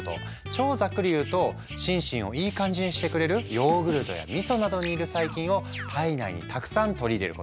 超ざっくり言うと心身をいい感じにしてくれるヨーグルトやみそなどにいる細菌を体内にたくさん取り入れること。